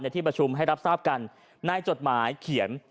ที่ประชุมให้รับทราบกันในจดหมายเขียน